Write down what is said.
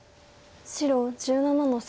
白１７の三。